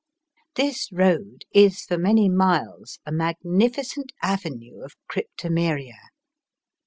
This road is for many miles a magnificent avenue of cryptomeria.